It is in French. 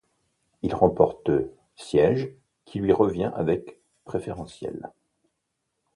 Il remporte siège, qui lui revient avec préférentiels.